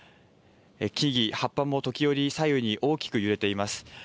木々、葉っぱも時折、左右に大きく揺れています。